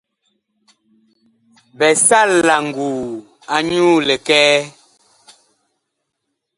Bi sal la nguu anyuu likɛɛ.